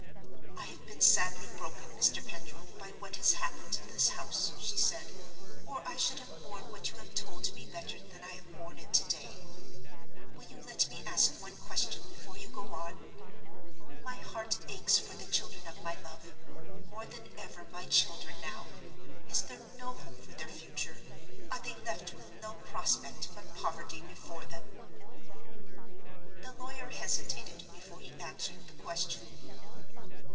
"I have been sadly broken, Mr. Pendril, by what has happened in this house," she said, "or I should have borne what you have told me better than I have borne it to day. Will you let me ask one question before you go on? My heart aches for the children of my love—more than ever my children now. Is there no hope for their future? Are they left with no prospect but poverty before them?" The lawyer hesitated before he answered the question.